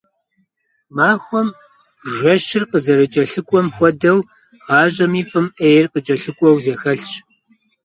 Махуэм жэщыр къызэрыкӀэлъыкӀуэм хуэдэу, гъащӀэми фӀым Ӏейр кӀэлъыкӀуэу зэхэлъщ.